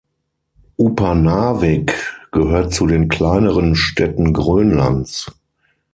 Upernavik gehört zu den kleineren Städten Grönlands.